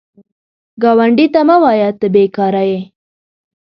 ګاونډي ته مه وایه “ته بېکاره یې”